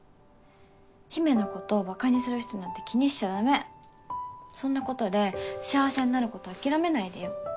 陽芽のことバカにする人なんて気にしちゃダメそんなことで幸せになること諦めないでよ